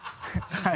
はい。